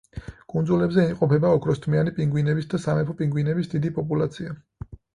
კუნძულებზე იმყოფება ოქროსთმიანი პინგვინების და სამეფო პინგვინების დიდი პოპულაცია.